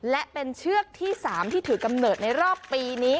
และเป็นเชือกที่๓ที่ถือกำเนิดในรอบปีนี้